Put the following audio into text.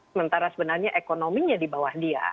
sementara sebenarnya ekonominya di bawah dia